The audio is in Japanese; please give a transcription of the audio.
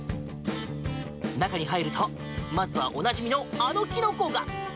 中に入ると、まずはおなじみのあのキノコが！